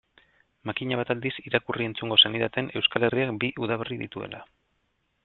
Makina bat aldiz irakurri-entzungo zenidaten Euskal Herriak bi udaberri dituela.